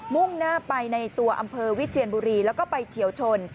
มุ่งหน้าไปในตัวอำเภอวิเชียนบุรีแล้วก็ไปเฉียวชน